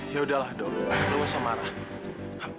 yaudahlah dong lu nggak usah marah